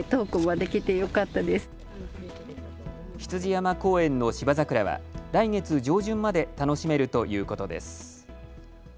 羊山公園のシバザクラは来月上旬まで楽しめるということです。